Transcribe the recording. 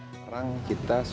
sekarang kita sudah berubah